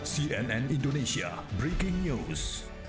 cnn indonesia breaking news